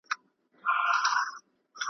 لکه فوج د لېونیانو غړومبېدله .